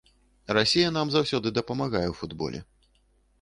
Расія нам заўсёды дапамагае ў футболе.